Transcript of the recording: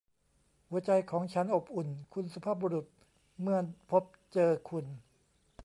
หัวใจของฉันอบอุ่น คุณสุภาพบุรุษ เมื่อพบเจอคุณ